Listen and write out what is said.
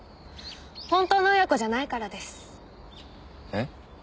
本当の親子じゃないからです。え？